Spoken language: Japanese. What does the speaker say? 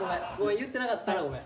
言ってなかったらごめん。